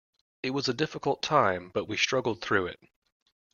It was a difficult time, but we struggled through it.